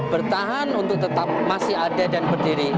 bertahan untuk tetap masih ada dan berdiri